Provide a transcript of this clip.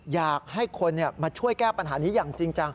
อยากให้คนมาช่วยแก้ปัญหานี้อย่างจริงจัง